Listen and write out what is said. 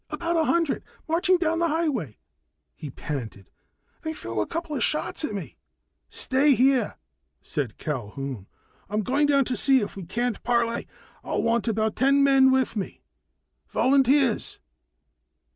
"About a hundred, marching down the highway," he panted. "They threw a couple shots at me." "Stay here," said Culquhoun. "I'm going down to see if we can't parley. I'll want about ten men with me. Volunteers?"